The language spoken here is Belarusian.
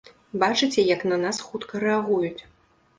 Бачыце, як на нас хутка рэагуюць!